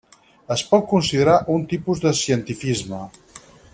Es pot considerar un tipus de cientifisme.